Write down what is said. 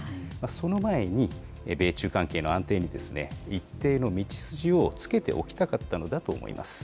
その前に、米中関係の安定に一定の道筋をつけておきたかったのだと思います。